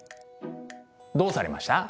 どうされました？